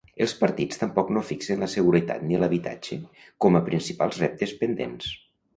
Els partits tampoc no fixen la seguretat ni l'habitatge com a principals reptes pendents.